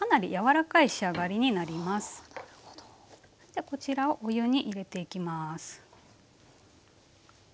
じゃこちらをお湯に入れていきます。